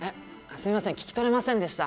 すみません聞き取れませんでした。